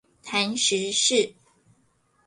談時事